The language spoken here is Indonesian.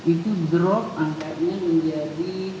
itu drop angkanya menjadi